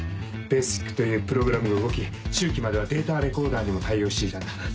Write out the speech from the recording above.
「ＢＡＳＩＣ」というプログラムが動き中期まではデータレコーダーにも対応していたんだ。